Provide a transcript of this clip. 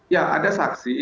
ya ada saksi